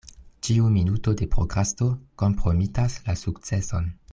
Ĉiu minuto de prokrasto kompromitas la sukceson.